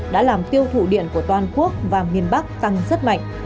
đã làm tiêu thụ điện của toàn quốc và miền bắc tăng rất mạnh